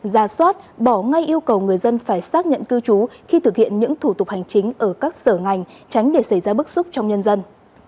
ra soát bỏ ngay yêu cầu người dân phải xác nhận cư trú khi thực hiện những thủ tục hành chính ở các sở ngành tránh để xảy ra bức xúc trong nhân dân